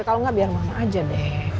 kalo gak biar mama aja deh